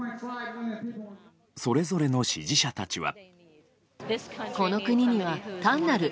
それぞれの支持者たちは。